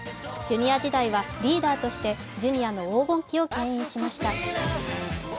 Ｊｒ．時代はリーダーとしてＪｒ．の黄金期をけん引しました。